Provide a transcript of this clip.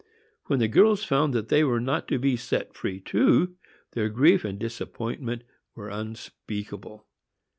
When the girls found that they were not to be set free too, their grief and disappointment were unspeakable.